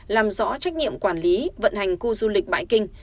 làm rõ trách nhiệm quản lý vận hành khu du lịch bãi kinh